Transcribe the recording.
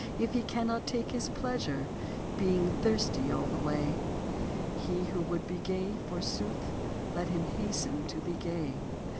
If he cannot take his pleasure, Being thirsty all the way ? He who would be gay, forsooth, Let him hasten to be gay.